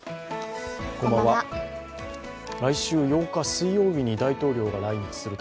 来週８日水曜日に大統領が来日すると。